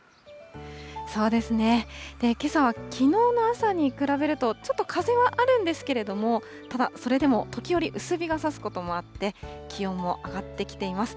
けさはきのうの朝に比べるとちょっと風はあるんですけれども、ただ、それでも時折薄日が差すこともあって、気温も上がってきています。